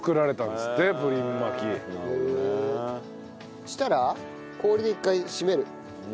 そしたら氷で一回締める。